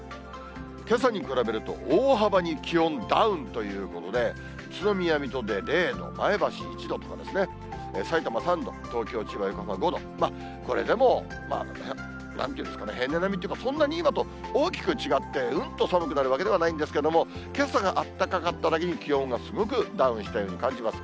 けさに比べると大幅に気温ダウンということで、宇都宮、水戸で０度、前橋１度とかですね、さいたま３度、東京、千葉、横浜５度、これでもなんていうんですかね、平年並みというか、そんなに今と大きく違って、うんと寒くなるわけではないんですけれども、けさがあったかかっただけに、気温がすごくダウンしたように感じます。